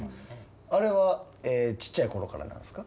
あれはちっちゃいころからなんですか？